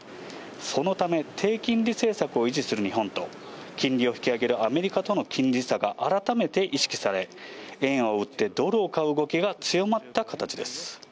そのため、低金利政策を維持する日本と、金利を引き上げるアメリカとの金利差が改めて意識され、円を売ってドルを買う動きが強まった形です。